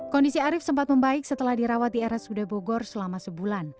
kondisi arief sempat membaik setelah dirawat di rsud bogor selama sebulan